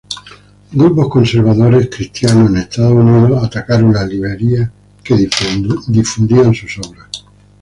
Grupos conservadores cristianos en Estados Unidos atacaron las librerías que difundían sus obras.